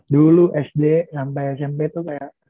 dulu sd sampai smp itu kayak